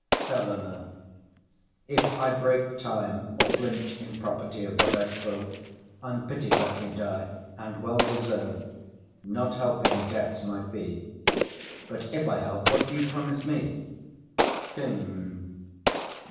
HELENA. If I break time, or flinch in property Of what I spoke, unpitied let me die, And well deserv'd. Not helping, death's my fee; But if I help, what do you promise me? KING.